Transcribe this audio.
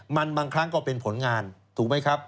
มันบางครั้งก็เป็นผลงานถูกไหมครับ